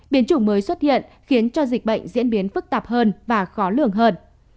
biến chủng mới xuất hiện khiến cho dịch bệnh diễn biến phức tạp hơn và khó lường hơn